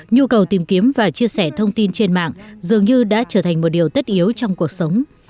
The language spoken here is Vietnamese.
nhu cầu tìm kiếm và chia sẻ thông tin trên mạng dường như đã trở thành một điều tất yếu trong cuộc sống